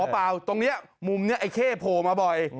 เปล่าตรงนี้มุมนี้ไอ้เข้โผล่มาบ่อย